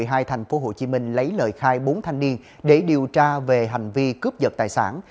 trong ngày một mươi hai thành phố hồ chí minh lấy lời khai bốn thanh niên để điều tra về hành vi cướp dật tài sản